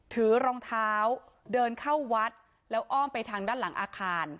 ถือรองเท้าเดินเข้าวัดแล้วอ้อมไปทางด้านหลังอาคาร